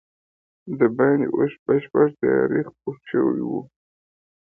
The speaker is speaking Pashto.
دباندې اوس بشپړه تیاره خپره شوې وه.